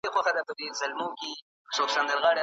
دروغ منل کیږي.